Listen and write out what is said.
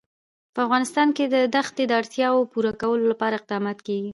په افغانستان کې د دښتې د اړتیاوو پوره کولو لپاره اقدامات کېږي.